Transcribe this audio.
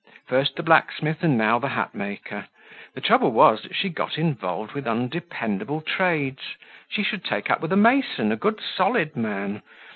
First the blacksmith and now the hatmaker. The trouble was that she got involved with undependable trades. She should take up with a mason, a good solid man.